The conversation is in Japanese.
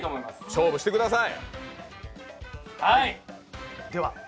勝負してください。